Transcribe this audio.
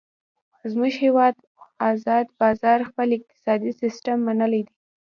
زمونږ هیواد ازاد بازار خپل اقتصادي سیستم منلی دی.